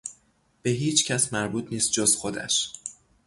به هیچکس مربوط نیست جز خودش.